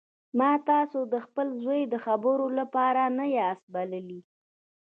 ما تاسو د خپل زوی د خبرو لپاره نه یاست بللي